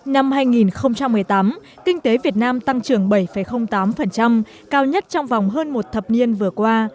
năm hai nghìn một mươi tám kinh tế việt nam tăng trưởng bảy tám cao nhất trong vòng hơn một thập niên vừa qua